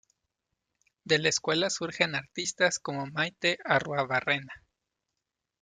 De la escuela surgen artistas como Maite Arruabarrena.